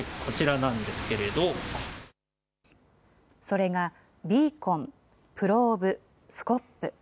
それが、ビーコン、プローブ、スコップ。